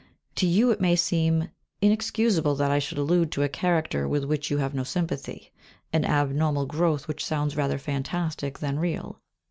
To you it may even seem inexcusable that I should allude to a character with which you have no sympathy, an abnormal growth which sounds rather fantastic than real.